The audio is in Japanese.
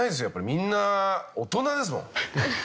やっぱりみんな大人ですもん。